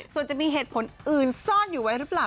ส่วนจะมีเหตุผลอื่นซ่อนอยู่ไว้หรือเปล่า